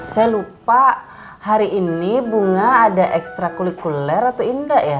saya lupa hari ini bunga ada ekstra kulikuler atau indah ya